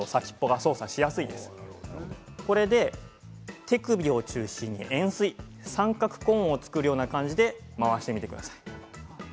それで手首を中心に円すい三角コーンを作るような感じで回してください。